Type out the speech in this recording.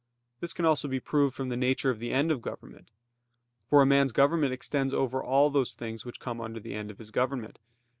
This can also be proved from the nature of the end of government. For a man's government extends over all those things which come under the end of his government.